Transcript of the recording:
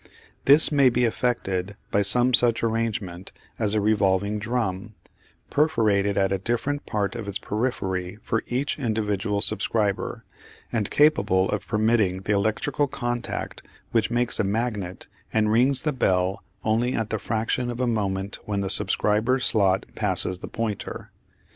This may be effected by some such arrangement as a revolving drum, perforated at a different part of its periphery for each individual subscriber, and capable of permitting the electrical contact which makes a magnet and rings the bell only at the fraction of a moment when the subscriber's slot passes the pointer.